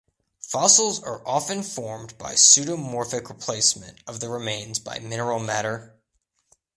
Fossils are often formed by pseudomorphic replacement of the remains by mineral matter.